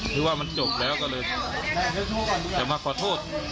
คือว่ามันจบแล้วก็เลยจะมาขอโทษ